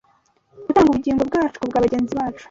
gutanga ubugingo bwacu kubwa bagenzi bacu